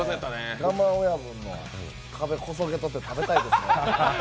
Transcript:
がま親分の壁、こそげ取って食べたいですね。